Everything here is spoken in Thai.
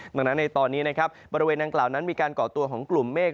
ดังนั้นในตอนนี้นะครับบริเวณดังกล่าวนั้นมีการก่อตัวของกลุ่มเมฆ